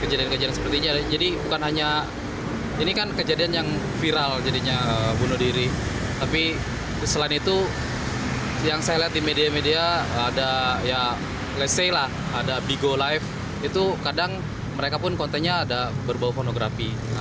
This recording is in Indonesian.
ada ya let's say lah ada bigo live itu kadang mereka pun kontennya ada berbau fonografi